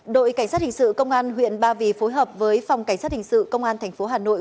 đội cảnh sát hình sự công an huyện ba vì phối hợp với phòng cảnh sát hình sự công an tp hà nội